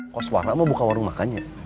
kok suara mau buka warung makannya